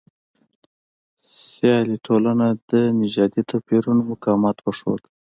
سیالي ټولنه د نژادي توپیرونو مقاومت وښود.